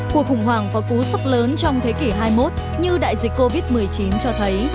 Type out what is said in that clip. cuộc khủng hoảng có cú sốc lớn trong thế kỷ hai mươi một như đại dịch covid một mươi chín cho thấy